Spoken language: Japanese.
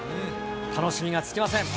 楽しみが尽きません。